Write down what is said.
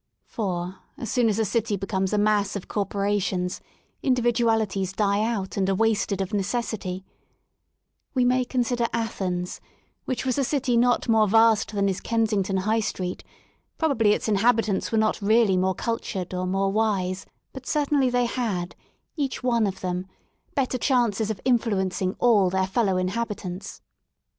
For, as soon as a city becomes a mass of Corporations, individualities die outand are wasted of necessity We may consider Athens, which was a city not more vast than is Kensing ton High Street: probably its inhabitants were not really more cultured or more wise, but certainly they had, each one of them, better chances of influencing all their fellow inhabitants.